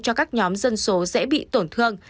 cho các nhóm dân số dễ bị tổn thương